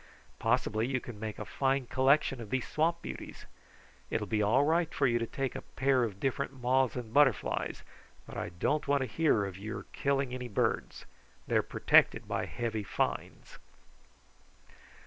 Possibly you can make a fine collection of these swamp beauties. It will be all right for you to take a pair of different moths and butterflies, but I don't want to hear of your killing any birds. They are protected by heavy fines."